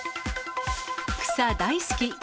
草大好き！